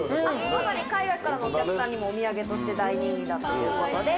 まさに海外からのお客さんにもお土産として大人気だということです。